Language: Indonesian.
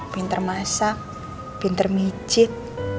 pinter masak pinter micit